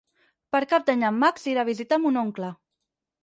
Per Cap d'Any en Max irà a visitar mon oncle.